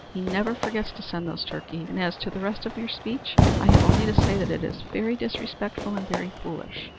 "He never forgets to send the turkeys, and as to the rest of your speech, I have only to say that it is very disrespectful and very foolish.